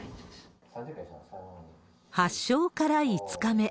発症から５日目。